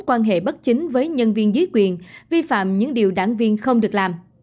quan hệ bất chính với nhân viên dưới quyền vi phạm những điều đảng viên không được làm